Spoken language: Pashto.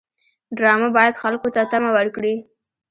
ډرامه باید خلکو ته تمه ورکړي